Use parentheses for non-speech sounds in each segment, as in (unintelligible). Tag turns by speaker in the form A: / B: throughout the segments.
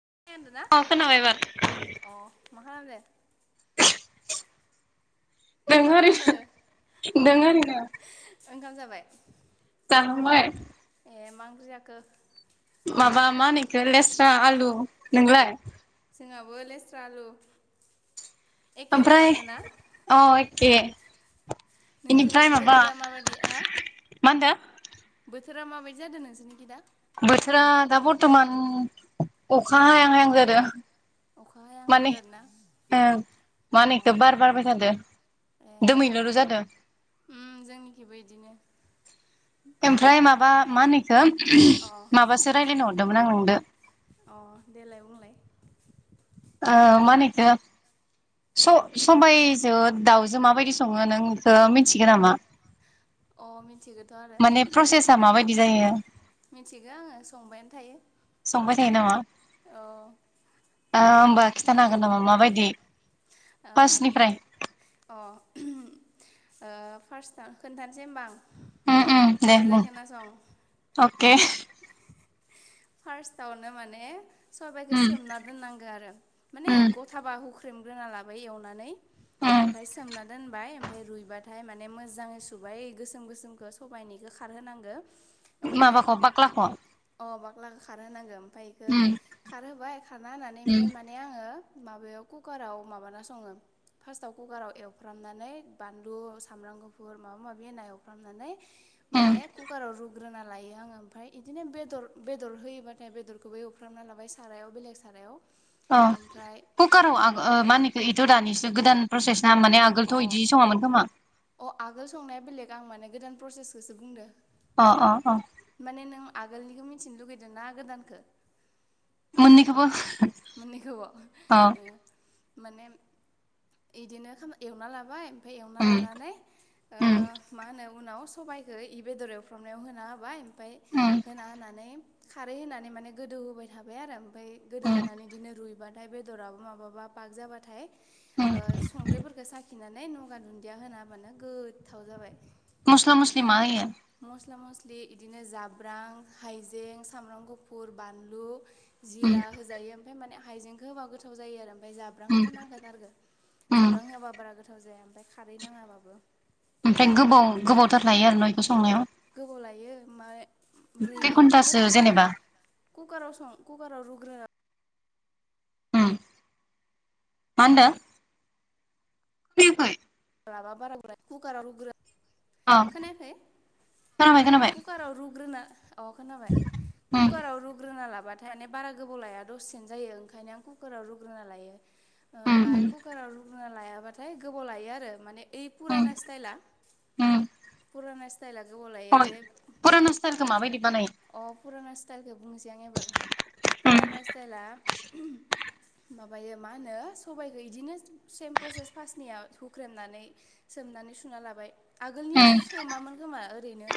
A: (unintelligible) अ म
B: खोनाबाय एबार
A: (unintelligible) मा
B: दों ओरैनो
A: खालामदों
B: दों ओरैनो
A: ओंखाम जाब (unintelligible)
B: जाखांबाय।
A: ए मा ओंख्रि जाखो?
B: माबा मा होनो बेखौ लेस्रा आलु नोंलाय?
A: जोंनहाबो लेस्रा आलु। एखेथार
B: आमफ्राय
A: माथो ना
B: अ एके।
A: नोंसोरनिखि बोथोरा माबायदि ओ बोथो
B: मा होनदो
A: बोथोरा माबायदि जादों नोंसोरनिखिदा?
B: बोथोरा दा बरथमान अखा हायां-हायां जादों।
A: अखा हायां हायां
B: माने
A: जादोंना
B: ओ मा
A: अ
B: होनोखौ बार बारबाय थादों
A: ए
B: दोमैलुलु जादों।
A: उम जोंनिखिबो इदिनो
B: मानो
A: अ
B: माबासो रायज्लायनो हरदोंमोन आं नोंदो।
A: अ देलाय बुंलाय।
B: ओ मा होनोएखौ सबायजों दाउजो माबायदि सङो नों बेखौ मिथिगोन नामा?
A: अ मिथिगोन।
B: माने प्रसेसा माबायदि? बिदि जायो।
A: मिथिगौ आङो संबायानो थायो
B: संबाय थायो नामा
A: औ
B: ओ होमबा खिथानो हागोन नामा माबायदि फार्स्टनिफ्राय
A: औ अ। ओ फार्स्ट खोन्थानोसै होमबा आं।
B: उम
A: मोनजाय खोनासं।
B: केे
A: फार्स्टआवनो माने सबाइखौ
B: उम
A: सोमना दोननांगो आरो माने
B: उम
A: गथाबा हु ख्रेमग्रोना लाबाय एवनानै
B: उम
A: ओमफ्राय सोमना दोनबाय ओमफ्राय रुइबाथाय माने मोजाङै सुबाय गोसोम गोसोमखौ सबायनिखौ खारहोनांगो।
B: माबाखौ बाख्लाखौ?
A: ला खारहोनांगोन। ओमफाय इखो
B: उम
A: खारहोबाय खारना होनानै
B: उम
A: ओमफ्राय माने आङो माबायाव कुकाराव माबाना सङो फार्स्टआव खुखाराव एवफ्रामनानै बानलु सामब्राम गुफुर माबा माबि होना एवफ्रामनानै माने
B: उम
A: खुखाराव रु ग्रोना लायो आङो ओमफाय इदिनो बेदर बेदर होयोबाथाय बेदरखौबो एवफ्रामना लाबाय सारायाव बेलेग सारायाव।
B: अ
A: ओमफ्राय
B: खुखाराव आं ओ मानिखौ इथ' रानि जे गोदान प्रसेस जा माने आगोलथ'
A: अ
B: इदि सङामोन खोमा।
A: अ आगोल संनाया बेलेग आं माने गोदान प्रसेसखौसो बुंदो।
B: अ अ।
A: आगोलनिखौ मिथिनो लुगैदोंना गोदानखो?
B: मोन्नैखोबो।
A: मोन्नैखौबो। माने इदिनो एवना लाबाय ओमफाय एवना
B: उम
A: लानानै
B: उम
A: मा होनो उनाव सबायखौ इ बेदरायाव एवफ्रामनायाव होना होबाय ओमफाय
B: उम
A: होना होनानै खारै होनानै माने गोदौहोबाय थाबाय आरो ओमफ्राय गोदौ
B: उम
A: होनानै रुइबाथाय बेदराबो माबाबा पाग जाबाथाय
B: उम
A: ओ संग्रिफोरखौ साखिनानै नगा दुन्दिया होनाबानो गोथाव जाबाय।
B: मस्ला मस्लि मा होयो?
A: मस्ला मस्लि इदिनो जाब्रां, हाइजें, सामब्राम गुफुर, बानलु,
B: उम
A: जिरा होजायो ओमफ्राय माने हाइजेंखौ होबा गोथाव जायो आरो ओमफ्राय
B: उम
A: जाब्रांखौथ' नांखाथारगोन
B: उम
A: जाब्रां होआबा बारा गोथाव जाया ओमफ्राय खारै नाङाबाबो।
B: ओमफ्राय गोबाव गोबावथार लायो आरो न बेखौ सं
A: गोबाव लायो मा
B: खै
A: रुइनो माने
B: घन्टासो
A: खुखार
B: जेनेबा
A: खुखाराव सं खुखाराव रुग्रोना
B: उम मा होनदों खोनायाखै
A: माबा बारामोनाखै कुकाराव रुग्रो
B: अ
A: खोनायाखै
B: खोनाबाय खोनाबाय
A: कुकाराव रुग्रोना अ खोनाबाय
B: उम
A: कुकाराव रुग्रोना लाब बाथाय माने बारा गोबाव लाया दसे जायो ओंखायनो आं कुकाराव रुग्रोना लायो
B: उम
A: ओमफाय
B: उम
A: कुकाराव रु रुना लायाबाथाय गोबाव लायो आरो माने इ
B: उम
A: फुराना स्टाइला
B: उम
A: फुराना स्थास स्टाइला गोबाव लायो
B: हय
A: जे
B: फुराना स्टाइलखौ माबायदि बानायो
A: अ फुराना स्टाइलखौ बुंनोसै आं एबार
B: उम
A: पुराना स्टाइला माबायो मा होनो सबाइखौ इदिनो सेम प्रसेस फास्नियाव हुख्रेमनानै सोमनानै सुना लाबाय आगोलनियाव
B: उम
A: सोमामोन खोमा। ओरैनो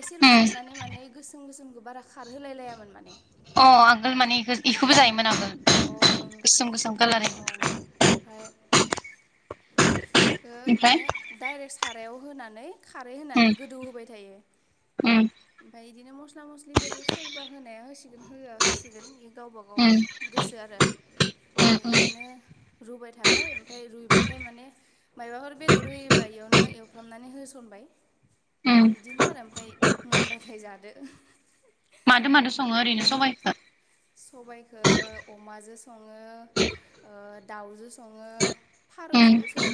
A: एसेल'
B: उम
A: सोमनानै माने गोसोम गोसोमखौ बारा खारहोलाय लायामोन माने।
B: अ आगोल माने बिखोबो जायोमोन आगोल
A: अ ओं
B: गोसोम गोसोम खालार
A: अ इखो माने डाइरेक्ट सा सायाव होनानै खारै होनानै
B: उम
A: गोदौ होबाय थायो।
B: उम
A: ओमफाय इदिनो मस्ला मस्लिफोर सोरबा होनाया होसिगोन होआ होसिगोन बे गावबा गाव
B: उम
A: गोसो आरो
B: उम
A: ओमफाय इदिनो रुबाय थाबाय ओमफाय रुइबाथाय माने मायबाफोर बेदर होयोबा इयावनो एवफ्रामनानै होसनबाय
B: उम
A: इदिनो आरो ओमफाय मोनबाथाय जादो।
B: मादो मादो सङो ओरैनो सबाइखो?
A: सबायखो अमाजों सङो ओ दाउजो सङो
B: उम
A: फारौजोंबो सङो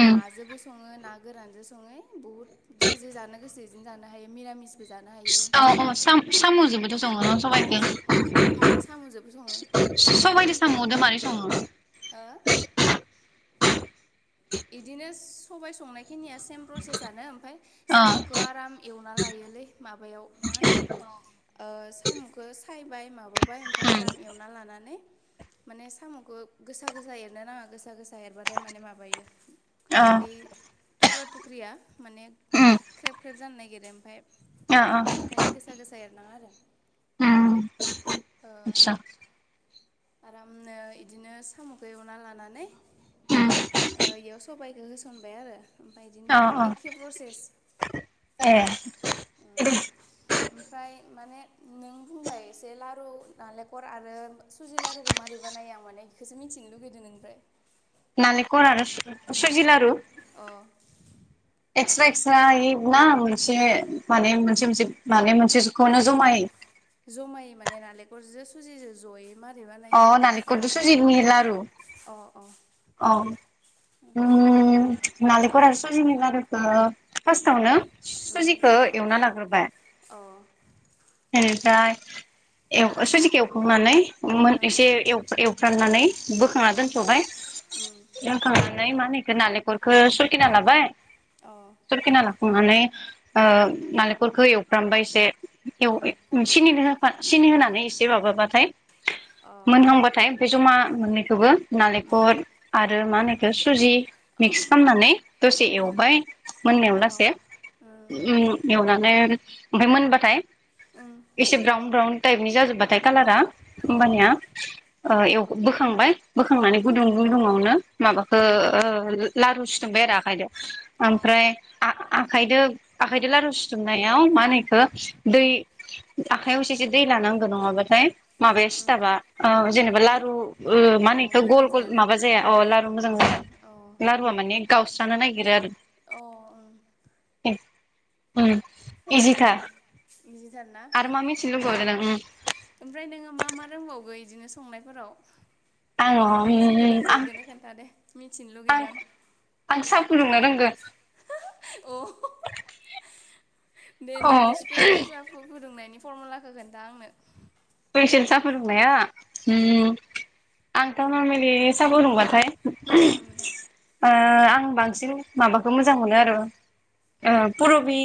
B: उम
A: नाजोंबो सङो ना गोरानजों सङो होय बहुद जे जे जानो गोसो इजोंनो जानो हायो मिरामिसबो जानो हायो
B: औ अ साम साम'जोबोथ सङो न
A: अ
B: सबायाइखो।
A: उम साम'जोंबो सङो
B: सबायदो साम'दो (unintelligible) संङो
A: ओ इदिनो सबाय संनाय खिनिया सेम प्रसेसानो ओमफाय
B: अ
A: साम'खौ आराम एवना लायोलै माबायाव मा होनो ओ साम'खौ सायबाय माबाबाय ओमफाय
B: उम
A: आराम एवना लानानै माने साम'खौ गोसा गोसा एरनो नाङा गोसा गोसा एरबाथाय माने माबायो
B: अ
A: बे थुख्रा थुख्रिया माने
B: उम
A: ख्रेब ख्रेब जानो नागिरो ओमफाय
B: अ
A: ओंखायनो गोसा गोसा एरनाङा आरो। ओ
B: आच्छा
A: आरामनो इदिनो साम'खौ एवना लानानै
B: उम
A: ओ इयाव सबायखौ होसनबाय आरो ओमफाय इदिनो
B: अ अ
A: एखेप्रसेस।
B: ए
A: अ ओमफ्राय माने नों बुंलाय एसे लारु नालेंखर आरो सुजि लारुखौ मारै बानायो आं माने इखोसो मिथिनो लुगैदों नोंनिफ्राय।
B: नालेखर आरो सुजि लारु?
A: अ
B: एक्सट्रा एक्सट्रायै ना मोनसे माने मोनसे मोनसे माने मोनसेखौनो जमायै?
A: जमायै माने नालेंखरजों सुजिजो जयै। मारै
B: अ
A: बानायो बेखौ
B: नालेंखरजों सुजिनि लारु
A: अ अ
B: अ उम नालेखर आरो सुजिनि लारुखो
A: उम
B: फासटावनो
A: उम
B: सुजिखो एवना लाग्रोबाय
A: अ ओं
B: ओमफ्राय एव सुजिखौे एखांनानै मोन
A: ओं
B: एसे एवफ्राननानै
A: उम अ
B: बोखांना
A: उम अ
B: दोनथ'बाय
A: उम
B: दोनथनानै मा होनो इखो नालेंखरखो सुरकिना लाबाय।
A: अ
B: सुरकिना ला लाखांनानै ओ नालेंखरखौ एवफ्रामबाय एसे एव सिनिनि होफा (inaudible) सिनि होनानै एसे माबाबाथाय मोनहांबाथाय ओमफाय जमा मोननैखौबो नालेखर मानो होनो इखो सुजि मिक्स खालामनानै दसे एवबाय मोननायाव
A: ओं
B: लासे
A: अ
B: ओम एवनानै ओमफ्राय मोनबाथाय
A: उम
B: एसे ब्राउन ब्राउन टाइपनि जाजोबबा थाय कालारा
A: ओं अ
B: होमबानिया ओ एव बोखांबाय बोखांनानै
A: उम
B: गुदुं गुदुङावनो माबाखो
A: उम
B: ओ लारु सिथुब्बाय आरो आखाइदो
A: अ
B: ओमफ्राय आ-आखाइदो आखाइदों लारु सिथुमनायाव मानो हो नो दै (inaudible) आखायाव एसेसो दै लानांगौ नङाबाथाय माबाया
A: उम
B: सिथाबा ओ जेनेबा ला औ औ
A: अ अ
B: मानो इखौ
A: मोजां
B: गल गल
A: जायाना
B: माबा जाया अ लारु मोजां जा
A: उम उम अ
B: लारुआ
A: उम
B: माने गावस्रानो नागिरो आरो
A: अ उम
B: उम इजिखा
A: इजिथार ना ओमफ्राय नोङो मा मा रोंबावगोन? बिदिनो संनायफोराव
B: आङो
A: नों जिखौ
B: उम
A: रोंगो
B: आं
A: इखोनो खोन्थादे मिथिनो
B: आं
A: लुगैदों
B: आं सा फुदुंनो रोंगो
A: अह दे
B: अ
A: नोंनि स्पेसियेल साखौ फुदुंनायनि फरमुलाखौ खोनथा आंनो?
B: फइसोन सा फुदुंनाया। उम आंथ'नामिलि सा फुदुंबाथाइ (unintelligible)
A: उम
B: ओह आं आं बांसिन माबाखौ मोजां मोनो आरो ओ पुरबि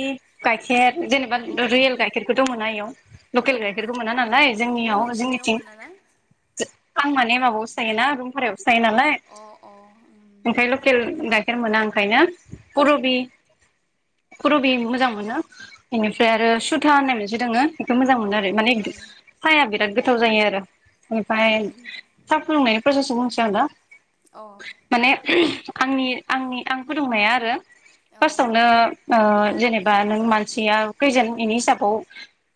B: गाइखेर जेनेबा
A: अ अ
B: रियेल गाइखेरखौथ' मोना इयाव लकेल
A: ओं
B: गाइखेरखौ मोना नालाय
A: अ
B: जोंनियाव
A: नोंसोरनियाव
B: जोंनिथिं
A: मोनाना
B: आं माने माबायावसो थायोना रुम भारायाव सो नालाय
A: अ अ उम
B: ओमफ्राय लकेल गाइ गाइखेर मोना ओंखायनो।
A: उम
B: फुरबि पुरबि मोजां मोनो।
A: उम
B: इनिफ्राय आरो सुथा होननाय (unintelligible) मोनसे दोङो बेखौ मोजां
A: अ
B: मोनो आरो माने
A: अ ओं
B: बिराद गोथाव जायो आरो ओमफ्राय
A: उम
B: साहा फुदुंनायनि प्रसेसखौ बुंसै आं दा
A: अ
B: माने आंनि आंनि आं फुदुंनाया आरो
A: अ
B: फार्स्टआवनो ओ जेनेबा बा नों मानसिया खैजोन इनि हिसाबखौ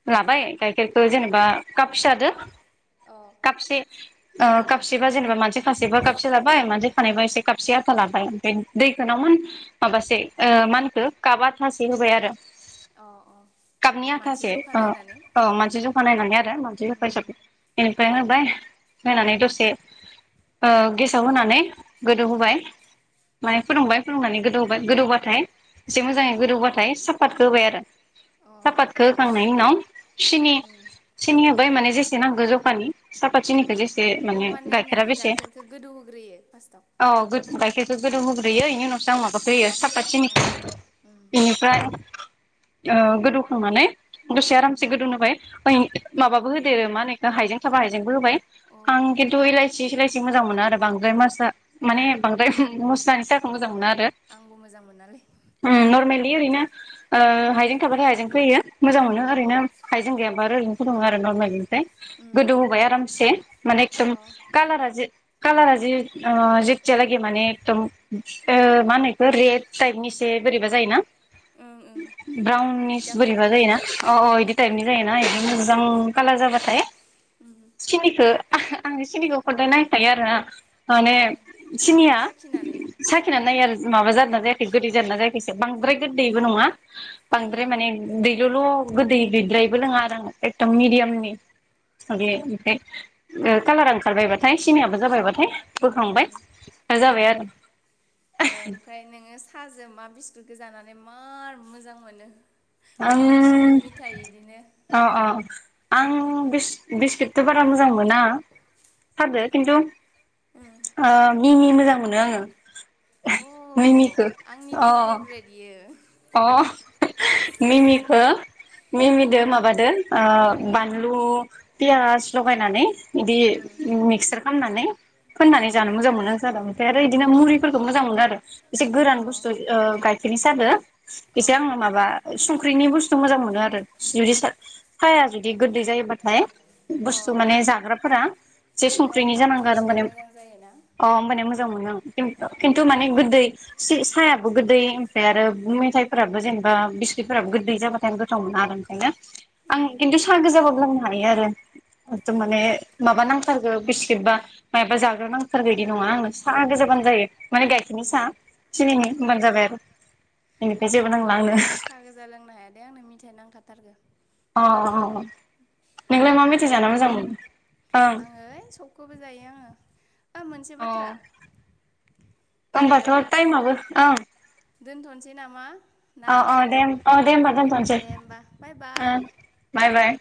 B: लाबाय गाइखेरखौ जेनेबा काप फिसा दो
A: अ
B: काफसे। ओ काफ कापसेबा जेनेबा मानसि खासेबा खाबसे लाबाय मानसि थानायबा एसे कापसे आदा लाबाय दैखो नावमान माबासे ओ मा होनखो खाब आदासे होबाय आरो।
A: अ अ
B: कापनि
A: मानसि
B: आथासे
A: जखा
B: ओ
A: नायनानै
B: औ मानसि ज खा नायनानै आरो मानसि जखा
A: उम
B: हिसाबै। फ्राय होबाय होनानै दसे ओ गेसाव होनानै गोदौ
A: उम
B: होबाय। बाहाय फुदुंबाय फुदुंनानै गोदौबा गोदौबाथाय एसे
A: उम
B: मोजाङै गोदौबाथाय सा पातखो होबाय आरो।
A: अ
B: सापातखौ होखांनायनि उनाव सिनि
A: उम
B: सिनि होबाय माने जेसे नांगौ जखानि सापात
A: अ
B: सिनिखौ जेसे
A: अ
B: माने गाइखेरा
A: नोङो
B: बेसे
A: गाइखेरखौ गोदौहोग्रोयो फार्स्टआव
B: औ। गाइखेरखौ गोदौ होग्रोयो इनि उवसो आं माबाखौ होयो सा
A: अ
B: पातखिनिखो
A: उम
B: बिनिफ्राय ओ गोदौखांनानै दसे
A: उम
B: आरामसे गोदौ होबाय माबो होदेरो मा होनो इखो हाइजें थाबा हायजेंबो होबाय
A: अ
B: आं
A: उम
B: खिन्थु इलाइसि सलाायसि मोजां मोनो आरो बांद्राय मसा माने बांद्राय मस्लानि साहाखौ मोजां मोनो आरो।
A: आंबो मोजां मोनालै।
B: इ ओरैनो ओ हाइजें थाबाथाय हाइजेंखो होयो। मोजां मोनो
A: औ
B: ओरैनो हाइजें गायाबा आरो ओरैनो। फुदुंङो आरो नरमेलि।
A: उम
B: गोदौ होबाय आरामसे माने
A: अ
B: एखदम कालारा जे कालारा जे ओ जेथियालागै माने एकदम ओ मा होनो बेखौ रेड टाइपनि इसे बोरैबा जायोना।
A: ओं ओं इटा
B: ब्राउननिस बोरैबा
A: कालारहां
B: जायोना अ अ इदि टाइपनि जायोना इदि कालार जाबाथाय सिनिखो आं सिलिखौ खदाय नायखायो आरो ना।
A: अ
B: माने सिनिया
A: साखिनानै
B: साखिनानै नायो आरो। माबा जादो ना जायाखै गोदै जानो ना जायाखै। बांद्राय गोद दैबो नङा
A: उम
B: बांद्राय माने दै (unintelligible) गोदै गैद्रायबो लोङा आरो आङो एददम मिडियामनि
A: उम
B: (unintelligible) कलार ओंखारबायबाथाय सिनियाबो जाबायबाथाय बोखांबाय
A: उम
B: जाबाय आरो
A: गोखो जानानै मार मोजां मोनो माने बिस्किट
B: ओं
A: मिथाइ इदिनो
B: अ अ आं बिस्कुटथ' बारा मोजां मोना सादो खिन्थु आ मिमि मोजां मोनो आङो
A: अ
B: मनिखौ अ
A: आंनिबो फेभरेट इयो
B: अ मिमिखौ
A: अ
B: मिमिदो माबादो बानलु पियाज लगायनानै इदि
A: उम
B: मिक्सार खामनानै फोननानै
A: अ
B: जानो मोजां मोनो (inaudible) ओमफ्राय आरो बिदिनो मुरिफोरखौ मोजां मोनो आरो एसे गोरान
A: अ
B: बस्थु गाय बिनि सागो
A: अ
B: इसे आंङो माबा संख्रि संख्रिनि बुस्थु मोजां मोनो आरो जुदि साहाया जुदि गोदै जायोबाथाय
A: अ
B: बुस्थु माने जाग्राफोरा जे
A: अ
B: संख्रिनि जानांगौ आरो
A: कम्बिनेसना
B: होमबानिया
A: मोजां जायोना
B: अ होनबानिया मोजां मोनो आं
A: उम
B: खिन्थु माने गोदै सायाबो गोदै ओमफ्राय आरो मिथाइफोराबो जेनेबा बिस्कुटफोराबो गोदै जाबाथाय आं गोथाव मोना आरो ओंखायनो आं
A: उम
B: खिन्थु सा गोजाब्लाबो लोंनो हायो आरो
A: उम
B: माने माबा नांथारगो बिस्कुतबा मायाबा जाग्रा नांथारगौ इदि नङा आंनो सा गोजाबानो जायो माने गाइखेरनि सा
A: उम अ
B: सिनिनि होनबानो जाबाय आरो बेनिफ्राय
A: आं
B: जेबो
A: खिन्थु
B: नांला आंनो
A: साहा गोजा लोंनो हायादे आंनो मिथाइ नांखाथारगौ आरो
B: अ अ नोंलाय मा मिथाइ
A: हेलौ
B: जाना मोजां मोनो ओं
A: आङो ओइ सबखौबो जायो आङो ओ मोनसे बाथ्रा
B: ओमबाथ
A: हेलौ
B: टाइमाबो ओं
A: दोनथनोसै नामा? ना
B: अ अ दे अ दे होमबा दोनथनोसै
A: दे होमबा बाय
B: बाय बाय